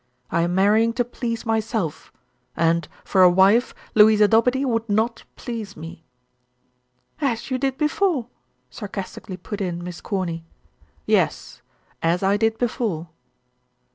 I am marrying to please myself, and, for a wife, Louisa Dobede would not please me." "As you did before," sarcastically put in Miss Corny. "Yes; as I did before."